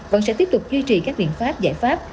vẫn sẽ tiếp tục duy trì các biện pháp giải pháp